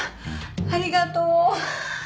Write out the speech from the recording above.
ありがとう！